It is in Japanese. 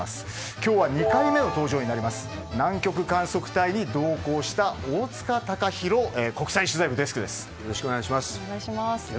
今日は、２回目の登場になります南極観測隊に同行した大塚隆広国際取材部デスクです。